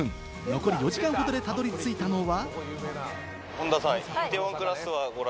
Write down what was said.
残り４時間ほどで、たどり着いたのが。